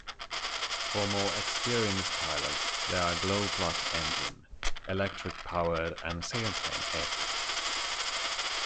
For more experienced pilots there are glow plug engine, electric powered and sailplane aircraft.